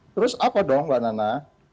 terus apa dong mbak nana